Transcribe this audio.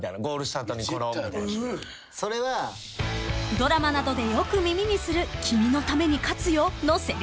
［ドラマなどでよく耳にする「君のために勝つよ」のせりふ］